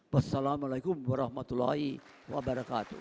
wassalamualaikum warahmatullahi wabarakatuh